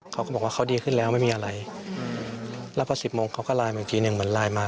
เขาก็บอกว่าเขาดีขึ้นแล้วไม่มีอะไรแล้วพอสิบโมงเขาก็ไลน์มาอีกทีหนึ่งเหมือนไลน์มา